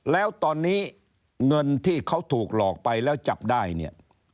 แล้วตอนนี้เงินที่เขาถูกหลอกไปแล้วจับได้เนี่ย